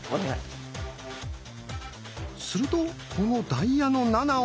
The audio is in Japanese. するとこの「ダイヤの７」を。